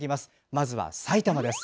まずは、埼玉です。